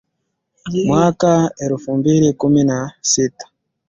Mwaka wa elfu mbili kumi na sita